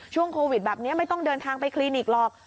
ช่วงโควิดแบบนี้ไม่ต้องเดินทางไปคลินิกหรอก